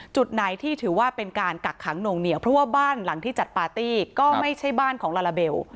จุดไหนที่ถือว่าเป็นการกักขังหน่วงเหนียวเพราะว่าบ้านหลังที่จัดปาร์ตี้ก็ไม่ใช่บ้านของลาลาเบล